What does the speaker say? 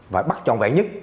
và bắt tròn vẹn nhất